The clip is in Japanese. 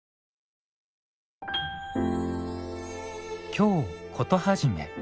「京コトはじめ」